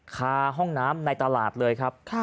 ห้องน้ำในตลาดเลยครับ